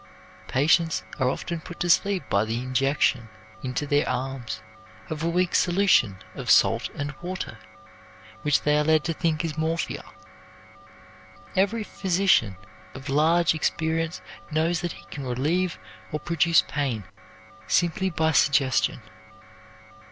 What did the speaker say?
Patients are often put to sleep by the injection into their arms of a weak solution of salt and water, which they are led to think is morphia. Every physician of large experience knows that he can relieve or produce pain simply by suggestion.